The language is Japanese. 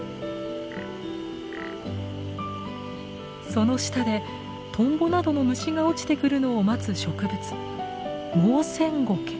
その下でトンボなどの虫が落ちてくるのを待つ植物